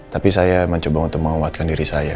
tapi saya mencoba untuk menguatkan diri saya